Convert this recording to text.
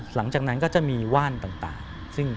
หลังจากนั้นก็จะมีว่านต่าง